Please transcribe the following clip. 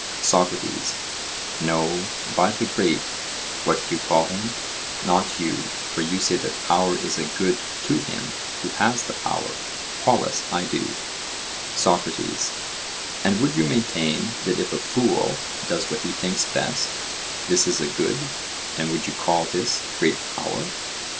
SOCRATES: No, by the great—what do you call him?—not you, for you say that power is a good to him who has the power. POLUS: I do. SOCRATES: And would you maintain that if a fool does what he thinks best, this is a good, and would you call this great power?